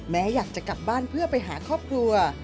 แม้อยากจะกลับบ้านเพื่อไปหาครอบครัว